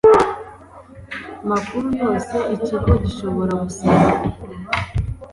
makuru yose ikigo gishobora gusaba